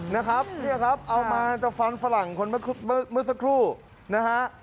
นะครับเนี่ยครับเอามาจะฟันฝรั่งคนเมื่อสักครู่นะฮะ